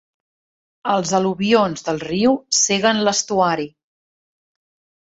Els al·luvions del riu ceguen l'estuari.